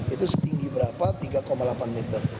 itu setinggi berapa tiga delapan meter